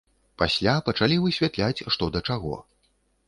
Пасля пачалі высвятляць, што да чаго.